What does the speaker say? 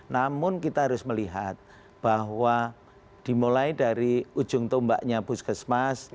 namun kita harus melihat bahwa dimulai dari ujung tombaknya puskesmas